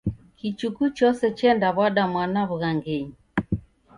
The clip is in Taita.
Kichuku chose chendaw'ada mwana w'ughangenyi.